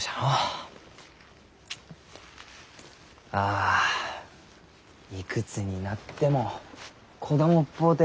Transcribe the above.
あいくつになっても子供っぽうて。